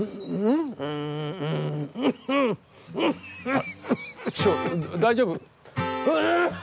あっ師匠大丈夫？